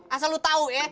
asal lo tau ya